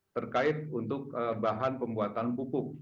terkait untuk bahan pembuatan pupuk